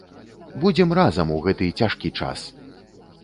Будзем разам у гэты цяжкі час!